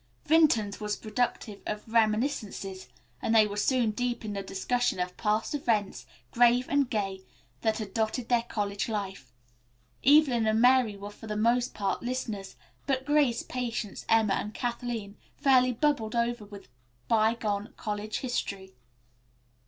Vinton's was productive of reminiscences, and they were soon deep in the discussion of past events, grave and gay, that had dotted their college life. Evelyn and Mary were for the most part listeners, but Grace, Patience, Emma and Kathleen fairly bubbled over with by gone college history.